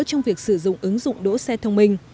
trong việc sử dụng ứng dụng đỗ xe thông minh